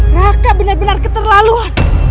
raka benar benar keterlaluan